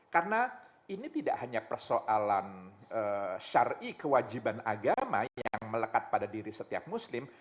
karena ini tidak hanya persoalan syari'i kewajiban agama yang melekat pada diri setiap muslim